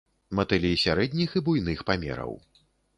Матылі сярэдніх і буйных памераў.